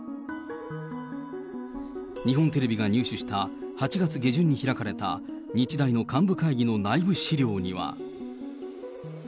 日本テレビが入手した８月下旬に開かれた日大の幹部会議の内部資料には。